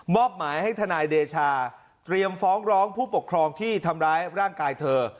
อบหมายให้ทนายเดชาเตรียมฟ้องร้องผู้ปกครองที่ทำร้ายร่างกายเธอ